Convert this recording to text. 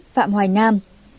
chín mươi tám phạm hoài nam